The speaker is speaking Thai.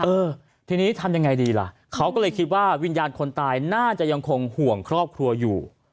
เออทีนี้ทำยังไงดีล่ะเขาก็เลยคิดว่าวิญญาณคนตายน่าจะยังคงห่วงครอบครัวอยู่